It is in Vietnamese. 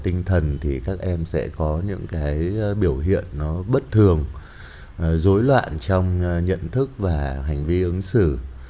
tinh thần thì các em sẽ có những cái biểu hiện nó bất thường dối loạn trong nhận thức và hành vi ứng xử